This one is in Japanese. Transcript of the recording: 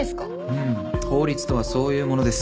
うーん法律とはそういうものです。